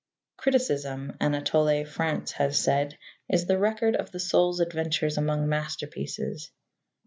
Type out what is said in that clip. Criticism, Anatole France has said, is the record of the soul's adventures among masterpieces.